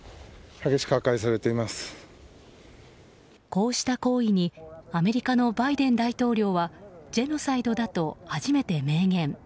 こうした行為にアメリカのバイデン大統領はジェノサイドだと初めて明言。